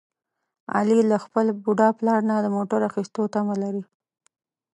علي له خپل بوډا پلار نه د موټر اخیستلو تمه لري.